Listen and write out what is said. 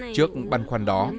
trước băn khoăn đó